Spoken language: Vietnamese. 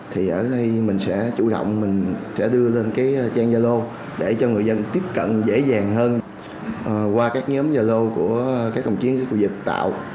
thì ở đây mình sẽ chủ động mình sẽ đưa lên cái trang gia lô để cho người dân tiếp cận dễ dàng hơn qua các nhóm gia lô của các đồng chiến khu vực tạo